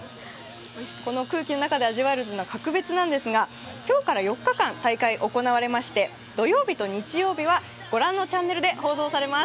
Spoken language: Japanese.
この空気の中で味わえるのは格別なんですが今日から４日間、大会が行われまして土曜日と日曜日は御覧のチャンネルで放送されます。